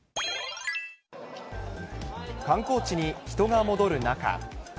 観光地に人が戻る中。